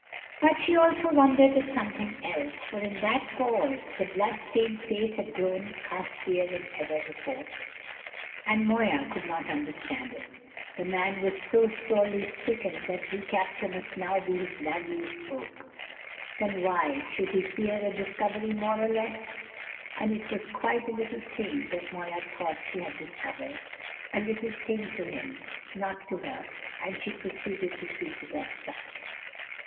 But she also wondered at something else, for in that pause the blood stained face had grown ghastlier than before, and Moya could not understand it. The man was so sorely stricken that recapture must now be his liveliest hope: why then should he fear a discovery more or less? And it was quite a little thing that Moya thought she had discovered; a little thing to him, not to her; and she proceeded to treat it as such.